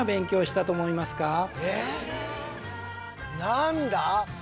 何だ？